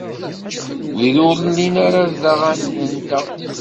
Wid ur llin ara d aɣanen-nteɣ.